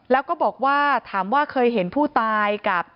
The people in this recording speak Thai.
แล้วก็บอกว่าถามว่าเคยเห็นผู้ตายกับ